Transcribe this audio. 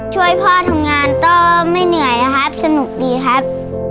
ช่วยพ่อทำงานก็ไม่เหนื่อยนะครับสนุกดีครับ